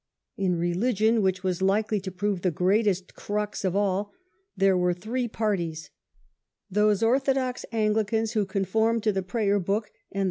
In religion, which was likely to prove the greatest crux of all, there were three parties : those orthodox Anglicans, The religious who Conformed to the Prayer book and the difficulty.